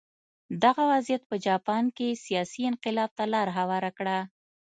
دغه وضعیت په جاپان کې سیاسي انقلاب ته لار هواره کړه.